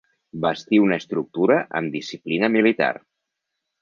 Bastir una estructura amb disciplina militar.